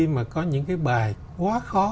mà có những cái bài quá khó